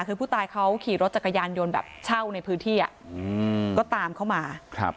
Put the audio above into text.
คือผู้ตายเขาขี่รถจักรยานยนต์แบบเช่าในพื้นที่ก็ตามเข้ามา